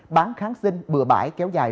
bán kháng sinh bừa bãi kéo dài